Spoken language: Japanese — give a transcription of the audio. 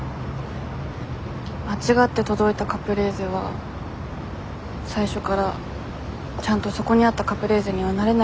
間違って届いたカプレーゼは最初からちゃんとそこにあったカプレーゼにはなれないのかなって。